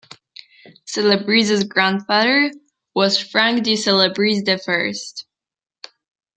Celebrezze's grandfather was Frank D. Celebrezze the First.